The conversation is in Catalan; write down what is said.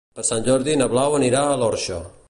Per Sant Jordi na Blau anirà a l'Orxa.